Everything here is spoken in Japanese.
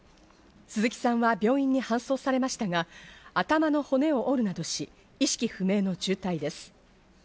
鈴木さんは病院に搬送されましたが、頭の骨を折るなどし、意識不明の重体です。